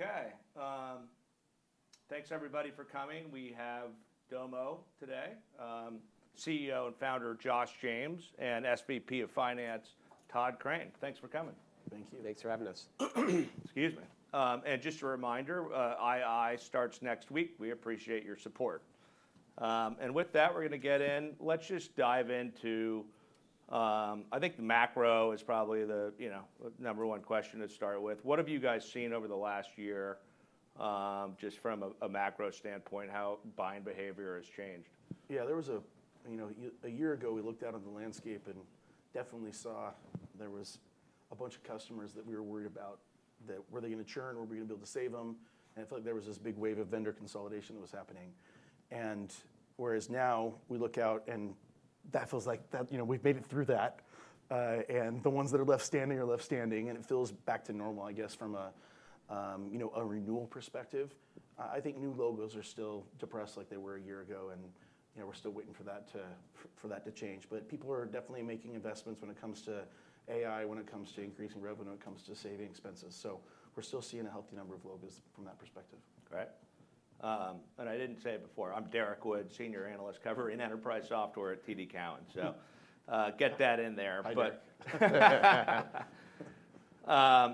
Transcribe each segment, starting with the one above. Okay, thanks everybody for coming. We have Domo today, CEO and founder, Josh James, and SVP of Finance, Todd Crane. Thanks for coming. Thank you. Thanks for having us. Excuse me. Just a reminder, Q2 starts next week. We appreciate your support. With that, we're gonna get in. Let's just dive into I think the macro is probably the, you know, number one question to start with. What have you guys seen over the last year, just from a macro standpoint, how buying behavior has changed? Yeah, there was a, you know, a year ago, we looked out on the landscape and definitely saw there was a bunch of customers that we were worried about, that were they going to churn, were we going to be able to save them? And I feel like there was this big wave of vendor consolidation that was happening. And whereas now, we look out and that feels like that, you know, we've made it through that. And the ones that are left standing are left standing, and it feels back to normal, I guess, from a, you know, a renewal perspective. I think new logos are still depressed like they were a year ago, and, you know, we're still waiting for that to change. But people are definitely making investments when it comes to AI, when it comes to increasing revenue, when it comes to saving expenses. So we're still seeing a healthy number of logos from that perspective. Great. I didn't say it before, I'm Derrick Wood, senior analyst covering enterprise software at TD Cowen. So, get that in there. I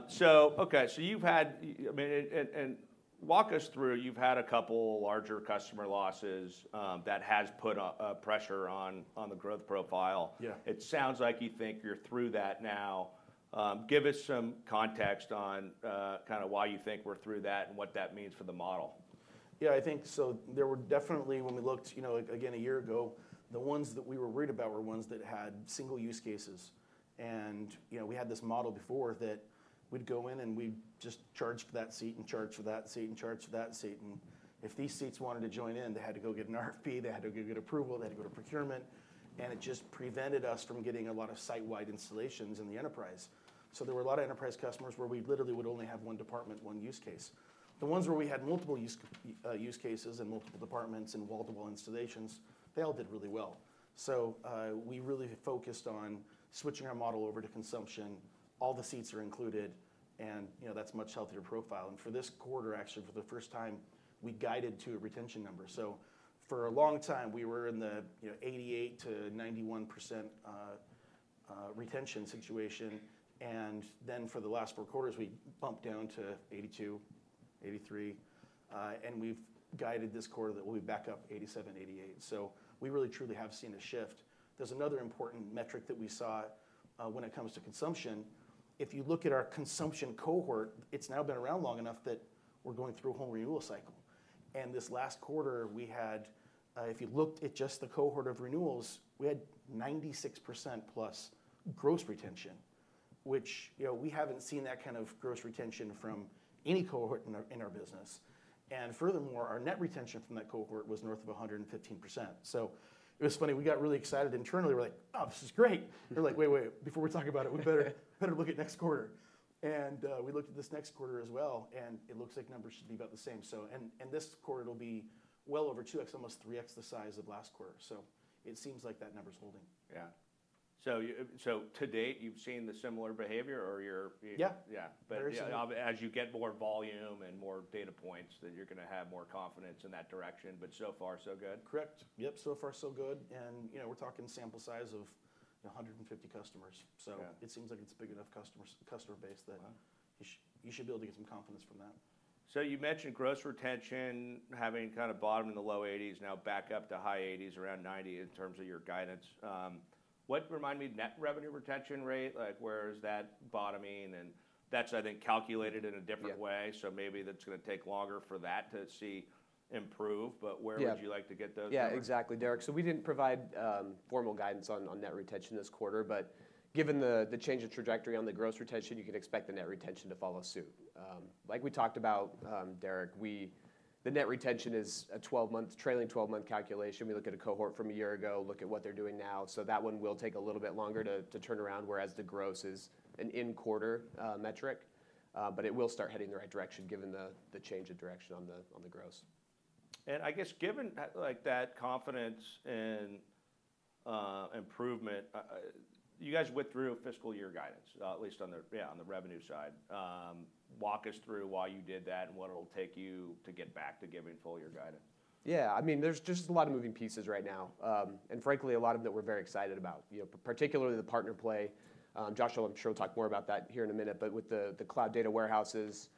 did. So, okay, so you've had, I mean, walk us through, you've had a couple larger customer losses that has put pressure on the growth profile. Yeah. It sounds like you think you're through that now. Give us some context on, kinda why you think we're through that and what that means for the model? Yeah, I think so. There were definitely, when we looked, you know, again, a year ago, the ones that we were worried about were ones that had single use cases. And, you know, we had this model before that we'd go in, and we'd just charge for that seat and charge for that seat and charge for that seat, and if these seats wanted to join in, they had to go get an RFP, they had to go get approval, they had to go to procurement, and it just prevented us from getting a lot of site-wide installations in the enterprise. So there were a lot of enterprise customers where we literally would only have one department, one use case. The ones where we had multiple use cases and multiple departments and multiple installations, they all did really well. So, we really focused on switching our model over to consumption. All the seats are included, and, you know, that's a much healthier profile. And for this quarter, actually, for the first time, we guided to a retention number. So for a long time, we were in the, you know, 88%-91% retention situation, and then for the last four quarters, we bumped down to 82%-83%. And we've guided this quarter that we'll be back up 87%-88%. So we really, truly have seen a shift. There's another important metric that we saw, when it comes to consumption. If you look at our consumption cohort, it's now been around long enough that we're going through a whole renewal cycle. This last quarter, we had, if you looked at just the cohort of renewals, we had 96%+ gross retention, which, you know, we haven't seen that kind of gross retention from any cohort in our, in our business. And furthermore, our net retention from that cohort was north of 115%. So it was funny, we got really excited internally. We're like, "Oh, this is great!" We're like: Wait, wait, before we talk about it-... we better, better look at next quarter. And we looked at this next quarter as well, and it looks like numbers should be about the same. So, and, and this quarter, it'll be well over 2x, almost 3x the size of last quarter. So it seems like that number's holding. Yeah. So to date, you've seen the similar behavior, or you're, you- Yeah. Yeah. Very similar. But, yeah, as you get more volume and more data points, then you're gonna have more confidence in that direction. But so far, so good? Correct. Yep, so far, so good, and, you know, we're talking sample size of, you know, 150 customers. Yeah. So it seems like it's a big enough customers, customer base that- Uh-huh... you should, you should be able to get some confidence from that. You mentioned gross retention having kind of bottomed in the low 80%, now back up to high 80s%, around 90% in terms of your guidance. What, remind me, net revenue retention rate—like, where is that bottoming? That's, I think, calculated in a different way. Yeah. Maybe that's gonna take longer for that to see improve. Yeah. Where would you like to get those numbers? Yeah, exactly, Derek. So we didn't provide formal guidance on net retention this quarter, but given the change of trajectory on the gross retention, you can expect the net retention to follow suit. Like we talked about, Derek, the net retention is a twelve-month, trailing twelve-month calculation. We look at a cohort from a year ago, look at what they're doing now. So that one will take a little bit longer to turn around, whereas the gross is an in-quarter metric. But it will start heading in the right direction, given the change of direction on the gross. I guess given that, like, that confidence and improvement, you guys withdrew fiscal year guidance, at least on the revenue side. Walk us through why you did that and what it'll take you to get back to giving full year guidance. Yeah, I mean, there's just a lot of moving pieces right now. And frankly, a lot of them we're very excited about. You know, particularly the partner play. Josh, I'm sure will talk more about that here in a minute. But with the cloud data warehouses,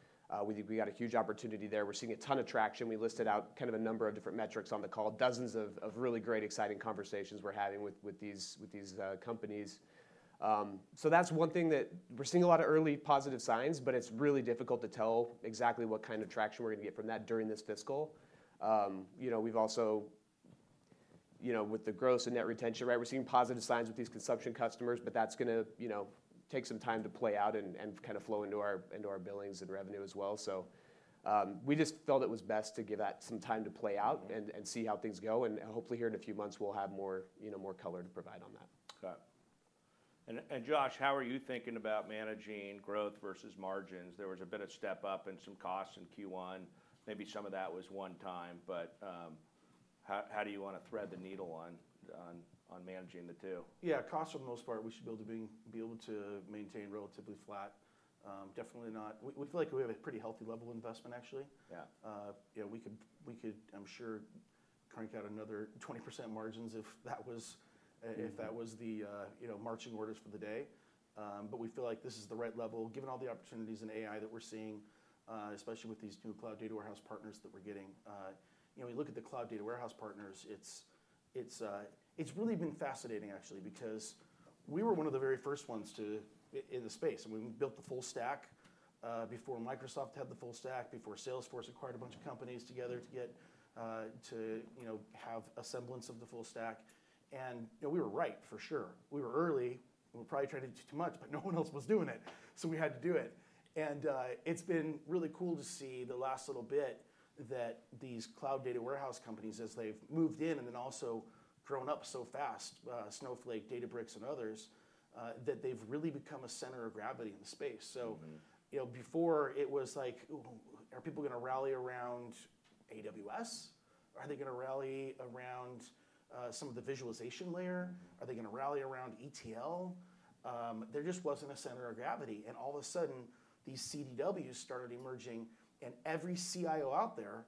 we got a huge opportunity there. We're seeing a ton of traction. We listed out kind of a number of different metrics on the call, dozens of really great, exciting conversations we're having with these companies. So that's one thing that we're seeing a lot of early positive signs, but it's really difficult to tell exactly what kind of traction we're going to get from that during this fiscal. You know, we've also, you know, with the gross and net retention rate, we're seeing positive signs with these consumption customers, but that's gonna, you know, take some time to play out and kinda flow into our billings and revenue as well. So, we just felt it was best to give that some time to play out. Mm-hmm... and see how things go. Hopefully, here in a few months, we'll have more, you know, more color to provide on that. Got it. And Josh, how are you thinking about managing growth versus margins? There was a bit of step up in some costs in Q1. Maybe some of that was one time, but how do you wanna thread the needle on managing the two? Yeah, costs for the most part, we should be able to maintain relatively flat. Definitely not. We, we feel like we have a pretty healthy level of investment, actually. Yeah. You know, we could, I'm sure, crank out another 20% margins if that was... Mm-hmm... if that was the, you know, marching orders for the day. But we feel like this is the right level, given all the opportunities in AI that we're seeing, especially with these new cloud data warehouse partners that we're getting. You know, we look at the cloud data warehouse partners, it's really been fascinating, actually, because we were one of the very first ones to in the space, and we built the full stack, before Microsoft had the full stack, before Salesforce acquired a bunch of companies together to get, you know, have a semblance of the full stack. And, you know, we were right for sure. We were early, and we probably tried to do too much, but no one else was doing it, so we had to do it. It's been really cool to see the last little bit that these cloud data warehouse companies, as they've moved in and then also grown up so fast, Snowflake, Databricks, and others, that they've really become a center of gravity in the space. Mm-hmm. So, you know, before it was like, ooh, are people gonna rally around AWS? Are they gonna rally around, some of the visualization layer? Mm-hmm. Are they gonna rally around ETL? There just wasn't a center of gravity, and all of a sudden, these CDWs started emerging, and every CIO out there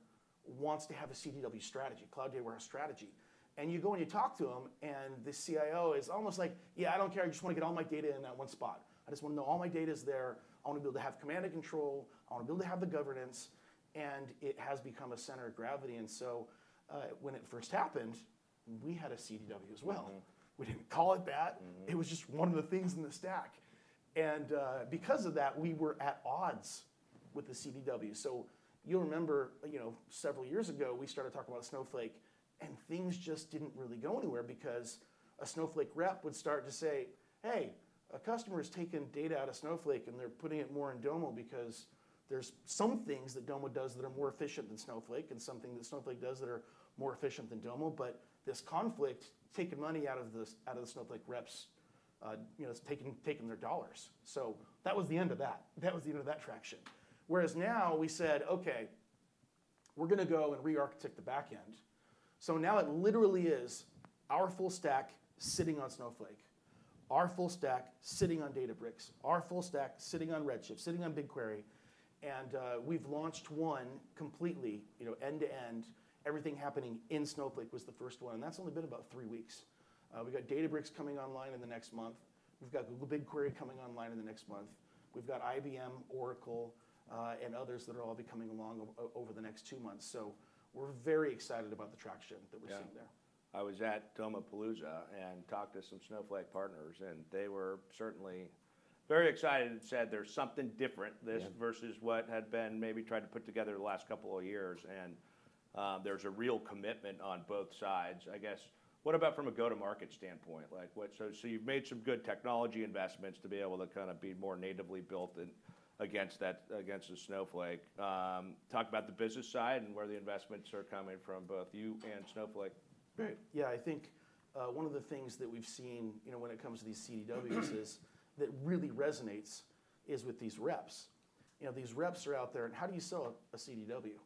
wants to have a CDW strategy, cloud data warehouse strategy. And you go, and you talk to 'em, and the CIO is almost like: "Yeah, I don't care, I just wanna get all my data in that one spot. I just wanna know all my data's there. I wanna be able to have command and control. I wanna be able to have the governance," and it has become a center of gravity. And so, when it first happened, we had a CDW as well. Mm-hmm. We didn't call it that. Mm-hmm. It was just one of the things in the stack. And, because of that, we were at odds with the CDW. So you'll remember, you know, several years ago, we started talking about Snowflake, and things just didn't really go anywhere because a Snowflake rep would start to say: "Hey, a customer is taking data out of Snowflake, and they're putting it more in Domo because there's some things that Domo does that are more efficient than Snowflake, and some things that Snowflake does that are more efficient than Domo," but this conflict taking money out of the, out of the Snowflake reps, you know, it's taking, taking their dollars. So that was the end of that. That was the end of that traction. Whereas now we said: "Okay, we're gonna go and rearchitect the back end." So now it literally is our full stack sitting on Snowflake, our full stack sitting on Databricks, our full stack sitting on Redshift, sitting on BigQuery, and we've launched one completely, you know, end-to-end. Everything happening in Snowflake was the first one, and that's only been about three weeks. We got Databricks coming online in the next month. We've got Google BigQuery coming online in the next month. We've got IBM, Oracle, and others that are all coming along over the next two months. So we're very excited about the traction that we're seeing there. Yeah. I was at Domopalooza and talked to some Snowflake partners, and they were certainly very excited and said, "There's something different- Yeah. this versus what had been maybe tried to put together the last couple of years," and there's a real commitment on both sides. I guess, what about from a go-to-market standpoint? Like what - so, so you've made some good technology investments to be able to kinda be more natively built in against that, against the Snowflake. Talk about the business side and where the investments are coming from, both you and Snowflake. Yeah, I think, one of the things that we've seen, you know, when it comes to these CDWs is, that really resonates is with these reps. You know, these reps are out there, and how do you sell a CDW?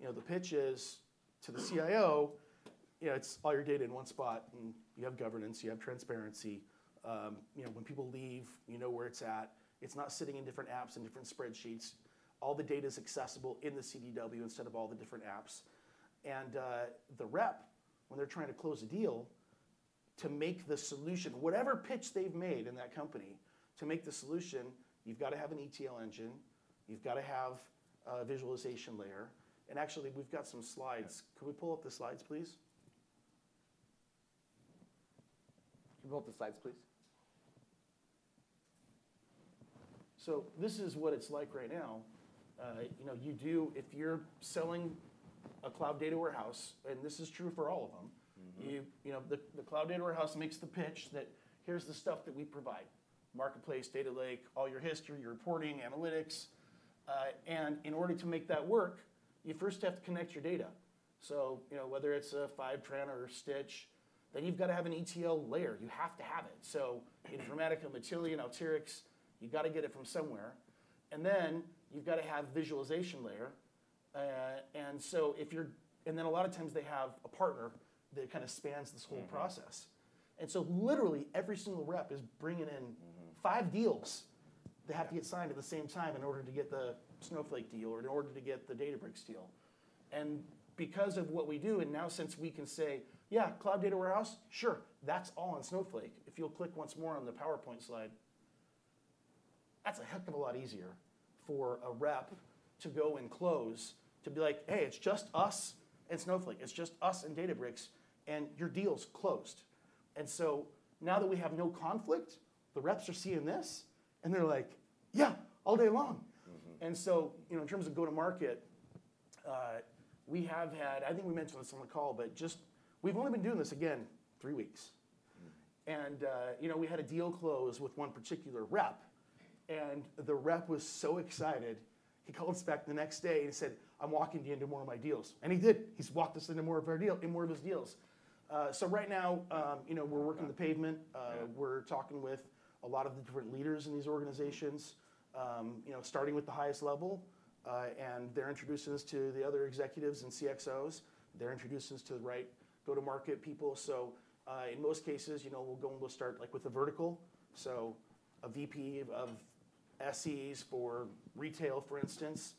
You know, the pitch is, to the CIO, you know, it's all your data in one spot, and you have governance, you have transparency. You know, when people leave, you know where it's at. It's not sitting in different apps and different spreadsheets. All the data's accessible in the CDW instead of all the different apps. And, the rep, when they're trying to close a deal, to make the solution, whatever pitch they've made in that company, to make the solution, you've gotta have an ETL engine, you've gotta have a visualization layer, and actually, we've got some slides. Yeah. Can we pull up the slides, please? Can you pull up the slides, please? So this is what it's like right now. You know, if you're selling a cloud data warehouse, and this is true for all of them- Mm-hmm... you know, the cloud data warehouse makes the pitch that here's the stuff that we provide: marketplace, data lake, all your history, your reporting, analytics. And in order to make that work, you first have to connect your data. So, you know, whether it's a Fivetran or a Stitch, then you've gotta have an ETL layer. You have to have it. So Informatica, Matillion, Alteryx, you've gotta get it from somewhere. And then you've gotta have visualization layer. And so if you're and then a lot of times they have a partner that kinda spans this whole process. Mm-hmm. And so literally, every single rep is bringing in- Mm-hmm... five deals that have to get signed at the same time in order to get the Snowflake deal or in order to get the Databricks deal. And because of what we do, and now since we can say: "Yeah, cloud data warehouse? Sure, that's all on Snowflake." If you'll click once more on the PowerPoint slide, that's a heck of a lot easier for a rep to go and close, to be like: "Hey, it's just us and Snowflake. It's just us and Databricks, and your deal's closed." And so now that we have no conflict, the reps are seeing this, and they're like, "Yeah, all day long! Mm-hmm. So, you know, in terms of go-to-market, we have had... I think we mentioned this on the call, but just we've only been doing this, again, three weeks. Mm. You know, we had a deal close with one particular rep, and the rep was so excited, he called us back the next day and said, "I'm walking you into more of my deals." And he did. He's walked us into more of his deals. So right now, you know, we're working the pavement. Yeah. We're talking with a lot of the different leaders in these organizations, you know, starting with the highest level, and they're introducing us to the other executives and CXOs. They're introducing us to the right go-to-market people. So, in most cases, you know, we'll go and we'll start like with a vertical, so a VP of SEs for retail, for instance,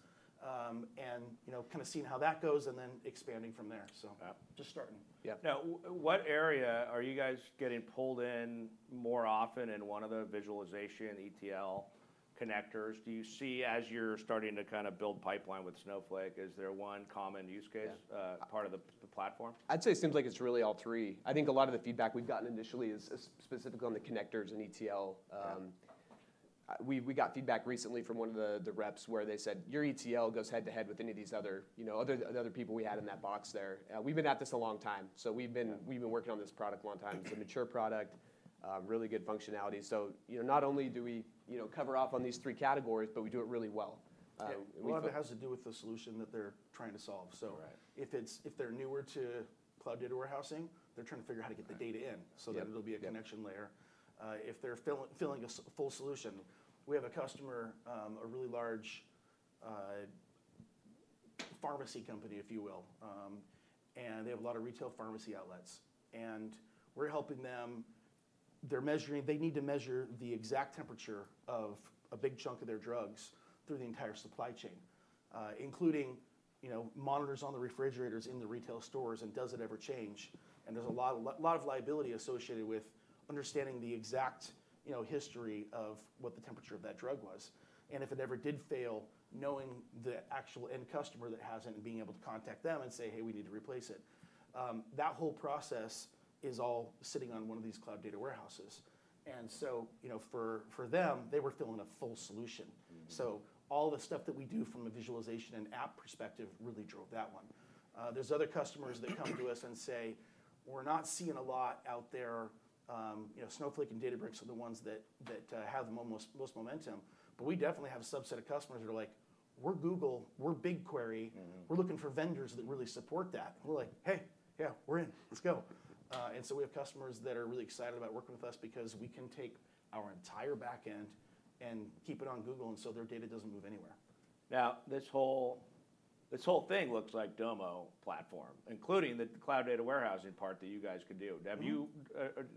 and, you know, kind of seeing how that goes and then expanding from there. So- Yeah. Just starting. Yeah. Now, what area are you guys getting pulled in more often in one of the visualization ETL connectors? Do you see, as you're starting to kind of build pipeline with Snowflake, is there one common use case- Yeah... part of the platform? I'd say it seems like it's really all three. I think a lot of the feedback we've gotten initially is specifically on the connectors and ETL. Yeah. We got feedback recently from one of the reps where they said, "Your ETL goes head-to-head with any of these other, you know, other, the other people we had in that box there." We've been at this a long time, so we've been- Yeah... we've been working on this product a long time. Yeah. It's a mature product, really good functionality. So, you know, not only do we, you know, cover off on these three categories, but we do it really well. We- A lot of it has to do with the solution that they're trying to solve, so. Correct. If they're newer to cloud data warehousing, they're trying to figure out how to get the data in. Yeah... so then there'll be a connection layer. Yeah. If they're filling a full solution, we have a customer, a really large pharmacy company, if you will, and they have a lot of retail pharmacy outlets. We're helping them. They need to measure the exact temperature of a big chunk of their drugs through the entire supply chain, including, you know, monitors on the refrigerators in the retail stores, and does it ever change? There's a lot of liability associated with understanding the exact, you know, history of what the temperature of that drug was, and if it ever did fail, knowing the actual end customer that has it and being able to contact them and say, "Hey, we need to replace it." That whole process is all sitting on one of these cloud data warehouses, and so, you know, for them, they were filling a full solution. Mm-hmm. So all the stuff that we do from a visualization and app perspective really drove that one. There's other customers that come to us and say, "We're not seeing a lot out there." You know, Snowflake and Databricks are the ones that have the most momentum. But we definitely have a subset of customers that are like, "We're Google. We're BigQuery. Mm-hmm. We're looking for vendors that really support that." And we're like, "Hey, yeah, we're in. Let's go." And so we have customers that are really excited about working with us because we can take our entire back end and keep it on Google, and so their data doesn't move anywhere. Now, this whole, this whole thing looks like Domo platform, including the cloud data warehousing part that you guys can do. Mm-hmm. Have you...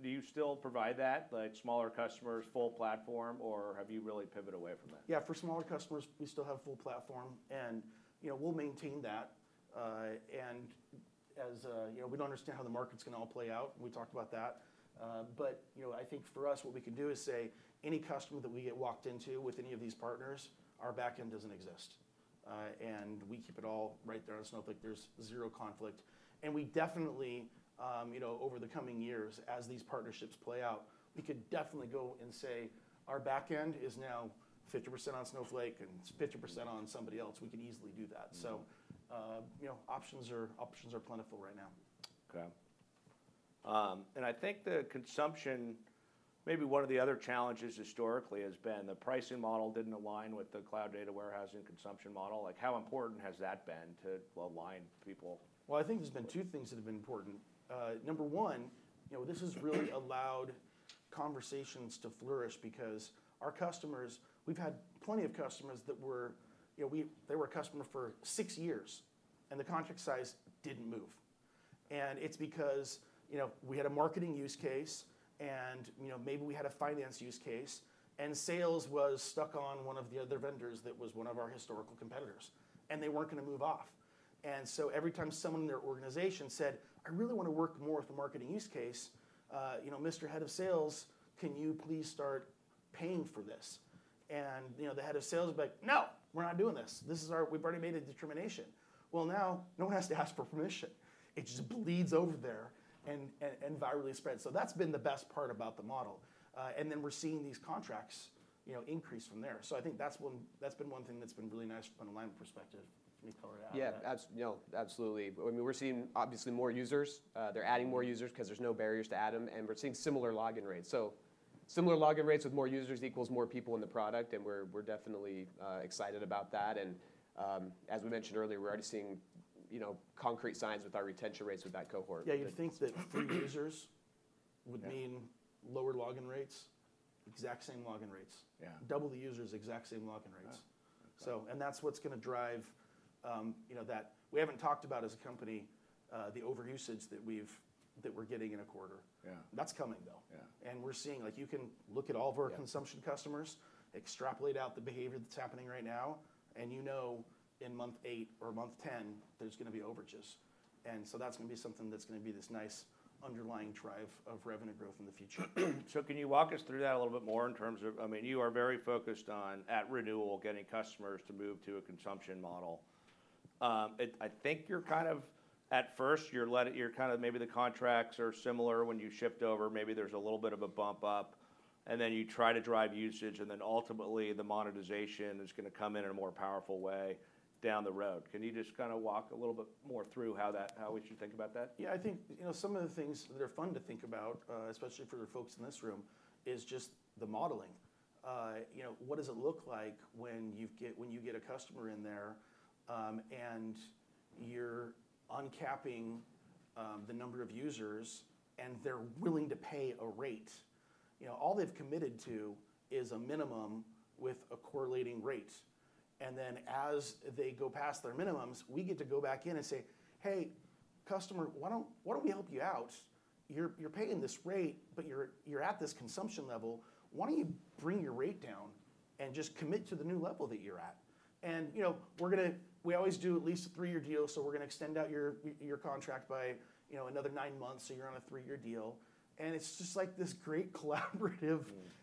Do you still provide that, like, smaller customers full platform, or have you really pivoted away from that? Yeah, for smaller customers, we still have full platform, and, you know, we'll maintain that. And as you know, we don't understand how the market's gonna all play out, and we talked about that. But, you know, I think for us, what we can do is say any customer that we get walked into with any of these partners, our back end doesn't exist. And we keep it all right there on Snowflake. There's zero conflict, and we definitely, you know, over the coming years, as these partnerships play out, we could definitely go and say, "Our back end is now 50% on Snowflake, and it's 50% on somebody else." We could easily do that. Mm-hmm. So, you know, options are plentiful right now. Okay. And I think the consumption, maybe one of the other challenges historically has been the pricing model didn't align with the cloud data warehousing consumption model. Like, how important has that been to align people? Well, I think there's been two things that have been important. Number one, you know, this has really allowed conversations to flourish because our customers. We've had plenty of customers that were, you know, we. They were a customer for six years, and the contract size didn't move. And it's because, you know, we had a marketing use case, and, you know, maybe we had a finance use case, and sales was stuck on one of the other vendors that was one of our historical competitors, and they weren't gonna move off. And so every time someone in their organization said, "I really want to work more with the marketing use case, you know, Mr. Head of Sales, can you please start paying for this?" And, you know, the head of sales would be like: "No, we're not doing this. This is our. We've already made a determination." Well, now no one has to ask for permission. It just bleeds over there and virally spreads. So that's been the best part about the model. And then we're seeing these contracts, you know, increase from there. So I think that's one, that's been one thing that's been really nice from an alignment perspective. Let me call it out. Yeah, you know, absolutely. I mean, we're seeing obviously more users. They're adding more users 'cause there's no barriers to add 'em, and we're seeing similar login rates. So similar login rates with more users equals more people in the product, and we're, we're definitely excited about that. And, as we mentioned earlier, we're already seeing, you know, concrete signs with our retention rates with that cohort. Yeah, you'd think that new users- Yeah... would mean lower login rates. Exact same login rates. Yeah. Double the users, exact same login rates. Yeah. So that's what's gonna drive, you know, that. We haven't talked about as a company the overusage that we're getting in a quarter. Yeah. That's coming, though. Yeah. And we're seeing, like, you can look at all of our- Yeah... consumption customers, extrapolate out the behavior that's happening right now, and you know, in month 8 or month 10, there's gonna be overages. And so that's gonna be something that's gonna be this nice underlying drive of revenue growth in the future. So can you walk us through that a little bit more in terms of... I mean, you are very focused on, at renewal, getting customers to move to a consumption model. I think you're kind of, at first, you're kind of maybe the contracts are similar when you shift over. Maybe there's a little bit of a bump up, and then you try to drive usage, and then ultimately, the monetization is gonna come in in a more powerful way down the road. Can you just kind of walk a little bit more through how that, how we should think about that? Yeah, I think, you know, some of the things that are fun to think about, especially for folks in this room, is just the modeling. You know, what does it look like when you get a customer in there, and you're uncapping the number of users, and they're willing to pay a rate? You know, all they've committed to is a minimum with a correlating rate. And then as they go past their minimums, we get to go back in and say, "Hey, customer, why don't we help you out? You're paying this rate, but you're at this consumption level. Why don't you bring your rate down and just commit to the new level that you're at? And, you know, we're gonna, we always do at least a three-year deal, so we're gonna extend out your, your contract by, you know, another nine months, so you're on a three-year deal. And it's just like this great collaborative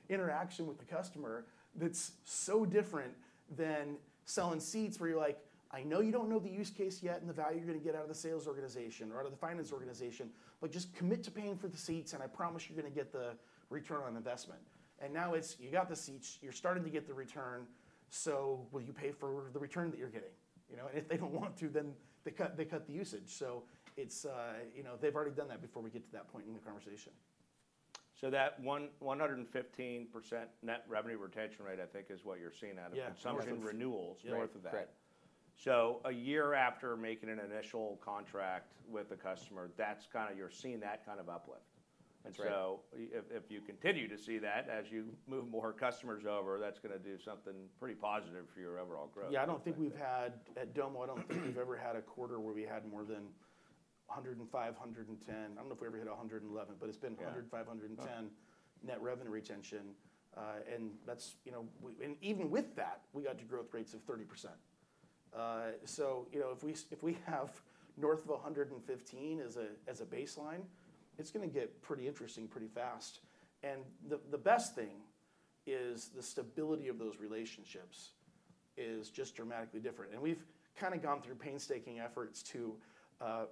interaction with the customer that's so different than selling seats, where you're like: I know you don't know the use case yet and the value you're gonna get out of the sales organization or out of the finance organization, but just commit to paying for the seats, and I promise you're gonna get the return on investment. And now it's, "You got the seats, you're starting to get the return, so will you pay for the return that you're getting?" You know, and if they don't want to, then they cut, they cut the usage. It's, you know, they've already done that before we get to that point in the conversation. That 115% net revenue retention rate, I think, is what you're seeing out of- Yeah. Some of the renewals north of that. Right. So a year after making an initial contract with the customer, that's kinda, you're seeing that kind of uplift. That's right. So if you continue to see that as you move more customers over, that's gonna do something pretty positive for your overall growth. Yeah, I don't think we've had... At Domo, I don't think we've ever had a quarter where we had more than 105, 110. I don't know if we ever hit 111, but it's been- Yeah... 105, 110 net revenue retention. And that's, you know, we and even with that, we got to growth rates of 30%. So, you know, if we, if we have north of 115 as a, as a baseline, it's gonna get pretty interesting pretty fast. And the best thing is the stability of those relationships is just dramatically different. And we've kinda gone through painstaking efforts to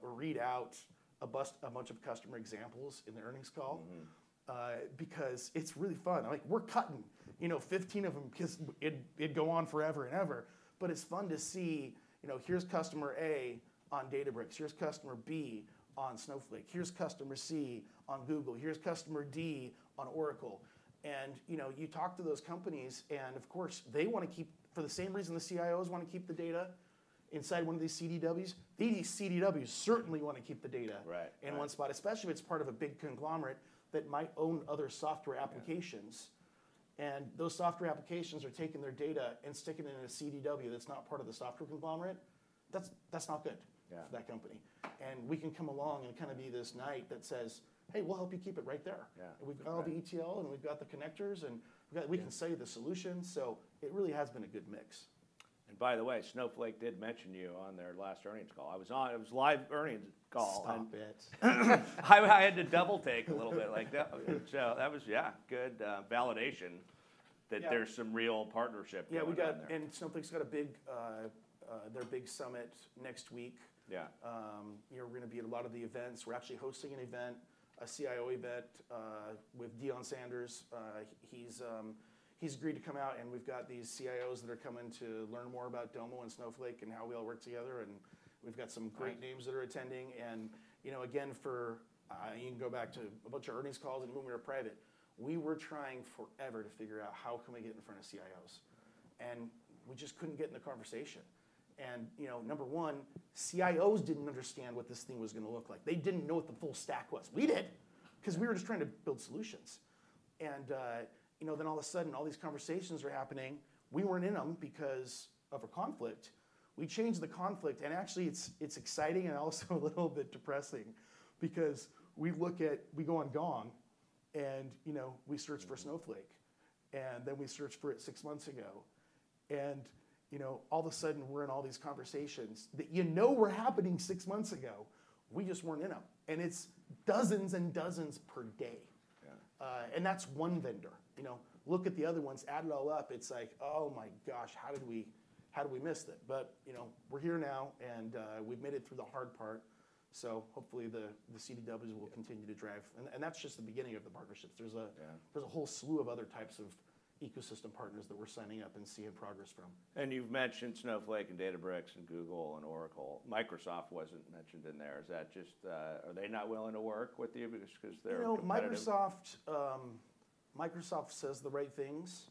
read out a bunch of customer examples in the earnings call. Mm-hmm. Because it's really fun. Like, we're cutting, you know, 15 of them 'cause it'd, it'd go on forever and ever. But it's fun to see, you know, here's customer A on Databricks, here's customer B on Snowflake, here's customer C on Google, here's customer D on Oracle. And, you know, you talk to those companies, and of course, they wanna keep—for the same reason the CIOs wanna keep the data inside one of these CDWs, these CDWs certainly wanna keep the data- Right, right... in one spot, especially if it's part of a big conglomerate that might own other software applications. Yeah. Those software applications are taking their data and sticking it in a CDW that's not part of the software conglomerate. That's not good- Yeah... for that company. We can come along and kinda be this knight that says, "Hey, we'll help you keep it right there. Yeah. We've got all the ETL, and we've got the connectors, and we've got- Yeah. We can sell you the solution. So it really has been a good mix. And by the way, Snowflake did mention you on their last earnings call. It was live earnings call. Stop it. I had to double take a little bit like that. So that was, yeah, good validation that- Yeah... there's some real partnership going on there. Yeah, Snowflake's got a big, their big summit next week. Yeah. You know, we're gonna be at a lot of the events. We're actually hosting an event, a CIO event, with Deion Sanders. He's agreed to come out, and we've got these CIOs that are coming to learn more about Domo and Snowflake and how we all work together, and we've got some great- Nice... names that are attending. And, you know, again, for, you can go back to a bunch of earnings calls and when we were private, we were trying forever to figure out, how can we get in front of CIOs? And we just couldn't get in the conversation. And, you know, number one, CIOs didn't understand what this thing was gonna look like. They didn't know what the full stack was. We did, 'cause we were just trying to build solutions. And, you know, then all of a sudden, all these conversations were happening. We weren't in them because of a conflict. We changed the conflict, and actually, it's, it's exciting and also a little bit depressing because we look at- we go on Gong, and, you know, we search for Snowflake. Mm. Then we search for it six months ago, and, you know, all of a sudden, we're in all these conversations that you know were happening six months ago. We just weren't in them, and it's dozens and dozens per day. Yeah. And that's one vendor. You know, look at the other ones, add it all up, it's like, oh, my gosh, how did we, how did we miss it? But, you know, we're here now, and we've made it through the hard part, so hopefully the CDWs will continue to drive. And that's just the beginning of the partnerships. There's a- Yeah... there's a whole slew of other types of ecosystem partners that we're signing up and seeing progress from. You've mentioned Snowflake and Databricks and Google and Oracle. Microsoft wasn't mentioned in there. Is that just? Are they not willing to work with you because, 'cause they're competitive? You know, Microsoft, Microsoft says the right things.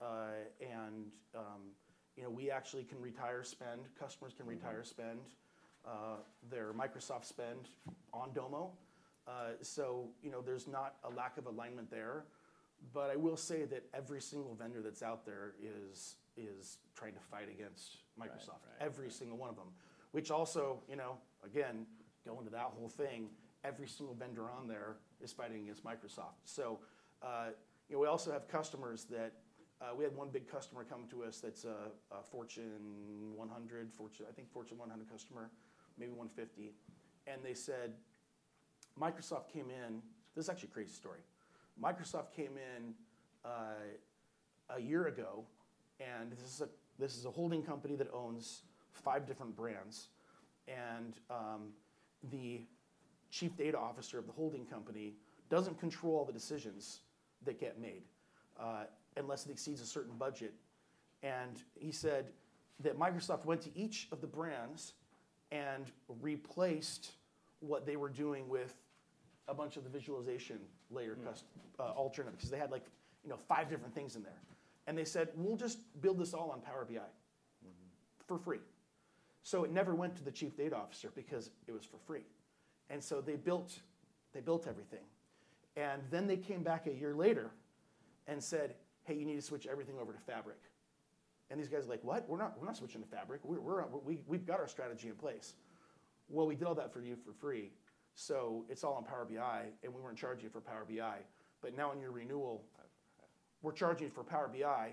And, you know, we actually can retire spend. Customers can retire- Mm... spend their Microsoft spend on Domo. So, you know, there's not a lack of alignment there. But I will say that every single vendor that's out there is trying to fight against Microsoft- Right, right... every single one of them, which also, you know, again, going to that whole thing, every single vendor on there is fighting against Microsoft. So, you know, we also have customers that, we had one big customer come to us that's a Fortune 100, Fortune, I think Fortune 100 customer, maybe 150, and they said, "Microsoft came in..." This is actually a crazy story. Microsoft came in, a year ago, and this is a holding company that owns five different brands, and, the chief data officer of the holding company doesn't control the decisions that get made, unless it exceeds a certain budget. And he said that Microsoft went to each of the brands and replaced what they were doing with-... A bunch of the visualization layer custom alternatives, because they had like, you know, five different things in there. They said: "We'll just build this all on Power BI for free." It never went to the chief data officer because it was for free, and so they built everything. Then they came back a year later and said: "Hey, you need to switch everything over to Fabric." These guys are like: "What? We're not switching to Fabric. We've got our strategy in place." "Well, we built that for you for free, so it's all on Power BI, and we weren't charging you for Power BI, but now in your renewal, we're charging you for Power BI,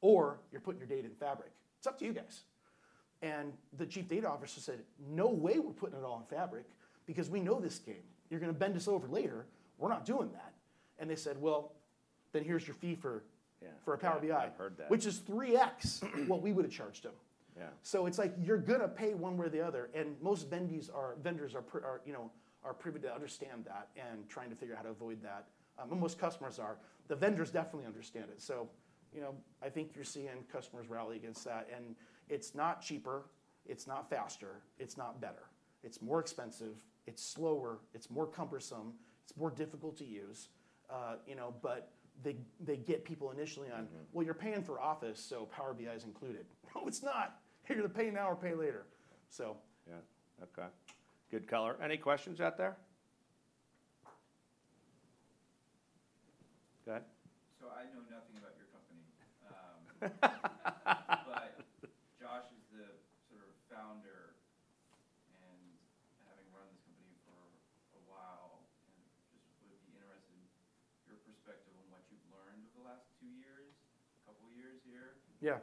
or you're putting your data in Fabric. It's up to you guys." And the Chief Data Officer said: "No way we're putting it all on Fabric, because we know this game. You're going to bend us over later. We're not doing that." And they said: "Well, then here's your fee for- Yeah. for a Power BI. I heard that. Which is 3x what we would have charged him. Yeah. So it's like, you're gonna pay one way or the other, and most vendors are, you know, are privy to understand that and trying to figure out how to avoid that. Most customers are. The vendors definitely understand it. So, you know, I think you're seeing customers rally against that, and it's not cheaper, it's not faster, it's not better. It's more expensive, it's slower, it's more cumbersome, it's more difficult to use, you know, but they, they get people initially on- Mm-hmm. Well, you're paying for Office, so Power BI is included."No, it's not! You're either pay now or pay later. So... Yeah. Okay. Good color. Any questions out there? Go ahead. I know nothing about your company, but Josh is the sort of founder, and having run this company for a while, and just would be interested in your perspective on what you've learned over the last two years, couple years here. Yeah.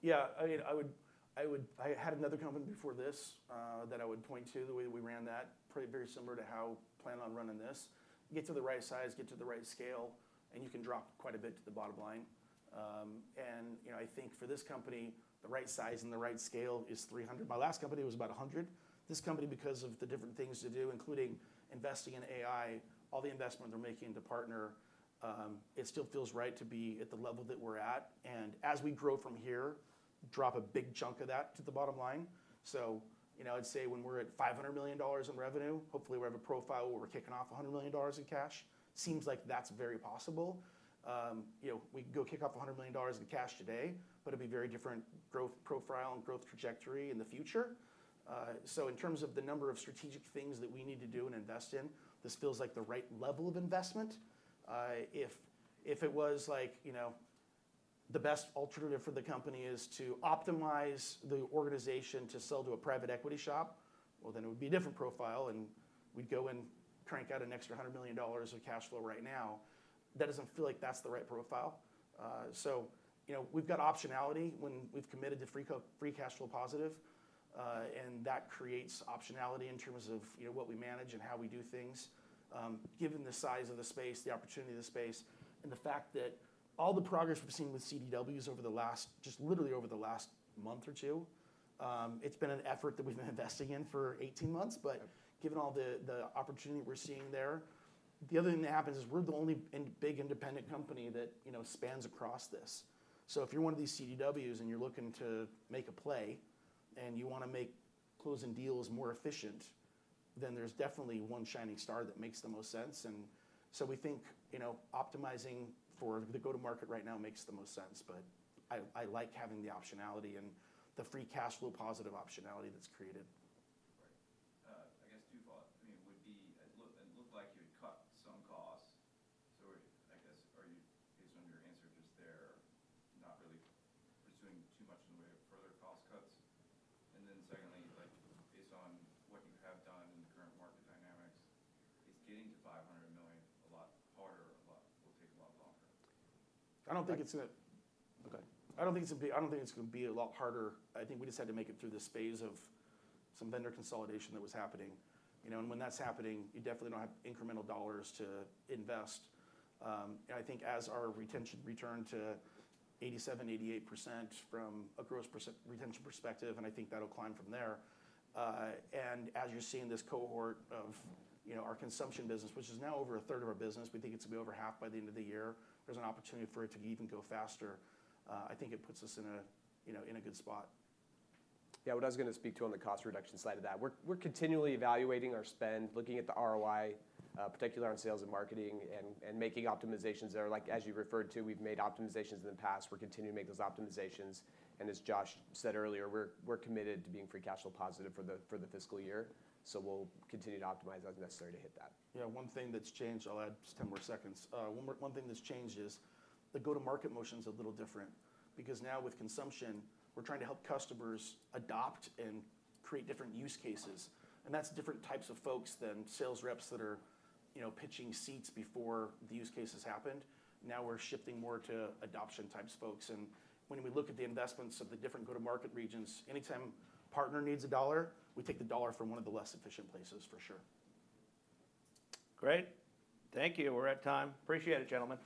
You were rewarded handsomely for growth, and growth at all costs, which was reinvested back into the business, and, you know, so there wasn't much profitability for the period of time. How has that, your thought process, your management style, capital allocation strategy changed? Yeah, I mean, I would, I had another company before this, that I would point to, the way that we ran that, pretty very similar to how I plan on running this. Get to the right size, get to the right scale, and you can drop quite a bit to the bottom line. And, you know, I think for this company, the right size and the right scale is 300. My last company was about 100. This company, because of the different things to do, including investing in AI, all the investment they're making to partner, it still feels right to be at the level that we're at, and as we grow from here, drop a big chunk of that to the bottom line. So, you know, I'd say when we're at $500 million in revenue, hopefully we have a profile where we're kicking off $100 million in cash. Seems like that's very possible. You know, we can go kick off $100 million in cash today, but it'd be very different growth profile and growth trajectory in the future. So in terms of the number of strategic things that we need to do and invest in, this feels like the right level of investment. If, if it was like, you know, the best alternative for the company is to optimize the organization to sell to a private equity shop, well, then it would be a different profile, and we'd go and crank out an extra $100 million of cash flow right now. That doesn't feel like that's the right profile. So, you know, we've got optionality when we've committed to free cash flow positive, and that creates optionality in terms of, you know, what we manage and how we do things. Given the size of the space, the opportunity of the space, and the fact that all the progress we've seen with CDWs over the last, just literally over the last month or two, it's been an effort that we've been investing in for 18 months, but- Yeah... given all the opportunity we're seeing there. The other thing that happens is we're the only big independent company that, you know, spans across this. So if you're one of these CDWs and you're looking to make a play, and you wanna make closing deals more efficient, then there's definitely one shining star that makes the most sense. And so we think, you know, optimizing for the go-to-market right now makes the most sense, but I like having the optionality and the free cash flow positive optionality that's created. Right. I guess two follow-up. I mean, it looked like you had cut some costs, so I guess, based on your answer just there, are you not really pursuing too much in the way of further cost cuts? And then secondly, like, based on what you have done in the current market dynamics, is getting to $500 million a lot harder, will take a lot longer? I don't think it's gonna- Okay. I don't think it's gonna be a lot harder. I think we just had to make it through this phase of some vendor consolidation that was happening. You know, and when that's happening, you definitely don't have incremental dollars to invest. And I think as our retention return to 87%-88% from a gross retention perspective, and I think that'll climb from there. And as you're seeing this cohort of, you know, our consumption business, which is now over a third of our business, we think it's going to be over half by the end of the year, there's an opportunity for it to even go faster. I think it puts us in a good spot. Yeah, what I was gonna speak to on the cost reduction side of that. We're, we're continually evaluating our spend, looking at the ROI, particularly on sales and marketing, and, and making optimizations that are like, as you referred to, we've made optimizations in the past. We're continuing to make those optimizations, and as Josh said earlier, we're, we're committed to being free cash flow positive for the, for the fiscal year, so we'll continue to optimize as necessary to hit that. Yeah, one thing that's changed. I'll add just 10 more seconds. One more thing that's changed is the go-to-market motion's a little different, because now with consumption, we're trying to help customers adopt and create different use cases, and that's different types of folks than sales reps that are, you know, pitching seats before the use cases happened. Now we're shifting more to adoption-type folks, and when we look at the investments of the different go-to-market regions, anytime a partner needs a dollar, we take the dollar from one of the less efficient places, for sure. Great. Thank you. We're at time. Appreciate it, gentlemen.